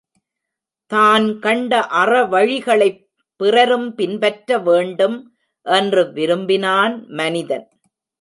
தான் கண்ட அறவழிகளைப் பிறரும் பின்பற்ற வேண்டும் என்று விரும்பினான் மனிதன்.